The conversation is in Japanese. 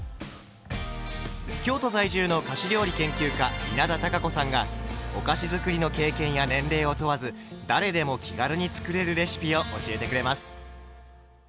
京都在住の菓子料理研究家稲田多佳子さんがお菓子づくりの経験や年齢を問わず誰でも気軽に作れるレシピを教えてくれます。